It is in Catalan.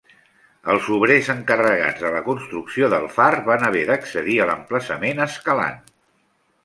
Els obrers encarregats de la construcció del far van haver d'accedir a l'emplaçament escalant.